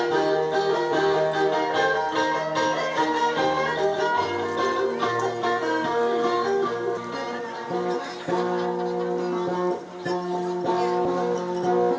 sekarang siap login dan menuju takar dr